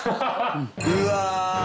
うわ！